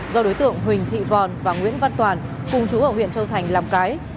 do đối tượng huỳnh thị vòn và nguyễn văn toàn cùng chú ở huyện châu thành làm cái